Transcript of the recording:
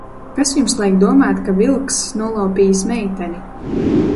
Kas jums liek domāt, ka Vilkss nolaupījis meiteni?